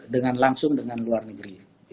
dengan langsung dengan luar negeri